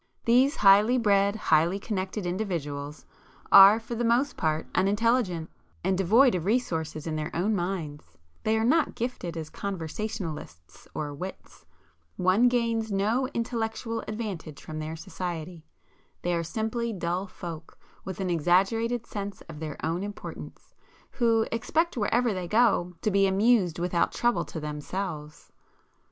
These highly bred, highly connected individuals, are for the most part unintelligent, and devoid of resources in their own minds,—they are not gifted as conversationalists or wits,—one gains no intellectual advantage from their society,—they are simply dull folk, with an exaggerated sense of their own importance, who expect wherever they go, to be amused without trouble to themselves.